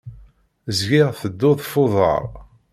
Zgiɣ tedduɣ f uḍaṛ.